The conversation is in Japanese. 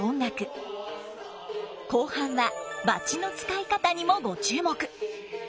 後半は撥の使い方にもご注目！